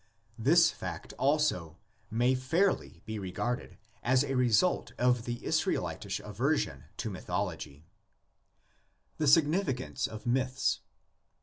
This fact also may fairly be regarded as a result of the Israelitish aver sion to mythology. THE SIGNIFICANCE OF MYTHS.